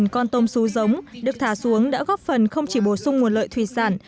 ba trăm linh con tôm xú giống được thả xuống đã góp phần không chỉ bổ sung nguồn lợi thủy sản